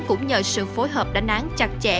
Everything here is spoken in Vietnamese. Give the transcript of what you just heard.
cũng nhờ sự phối hợp đánh án chặt chẽ